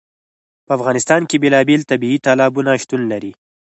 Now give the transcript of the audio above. په افغانستان کې بېلابېل طبیعي تالابونه شتون لري.